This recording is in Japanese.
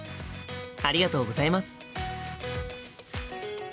ありがとうございます。